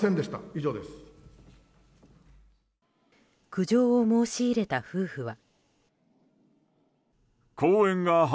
苦情を申し入れた夫婦は。